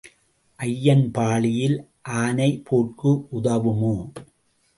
ஐயன் பாழியில் ஆனை போர்க்கு உதவுமோ?